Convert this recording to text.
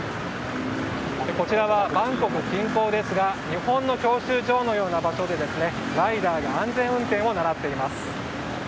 こちらはバンコク近郊ですが日本の教習所のような場所でライダーが安全運転を習っています。